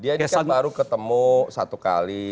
dia ini kan baru ketemu satu kali